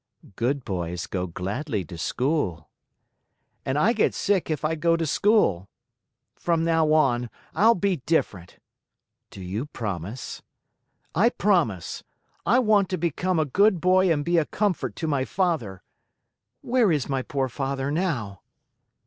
"Good boys go gladly to school." "And I get sick if I go to school. From now on I'll be different." "Do you promise?" "I promise. I want to become a good boy and be a comfort to my father. Where is my poor father now?"